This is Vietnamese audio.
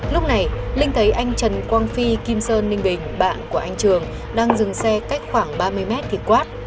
lúc này linh thấy anh trần quang phi kim sơn ninh bình bạn của anh trường đang dừng xe cách khoảng ba mươi mét thì quát